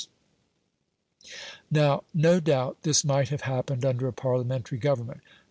Now, no doubt, this might have happened under a Parliamentary government.